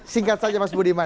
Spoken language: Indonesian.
singkat saja mas budiman